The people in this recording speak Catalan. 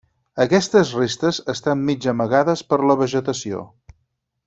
Aquestes restes estan mig amagades per la vegetació.